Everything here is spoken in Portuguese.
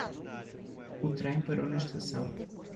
O trem parou na estação.